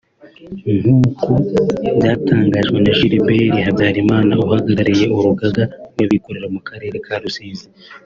nk’uko byatangajwe na Gilbert Habyarimana uhagariye uruganga rwabikorera mu karere ka Rusizi